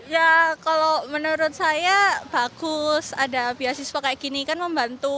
ya kalau menurut saya bagus ada beasiswa kayak gini kan membantu